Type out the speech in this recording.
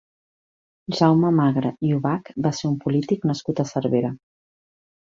Jaume Magre i Ubach va ser un polític nascut a Cervera.